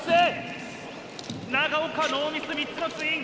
長岡ノーミス３つのツイン。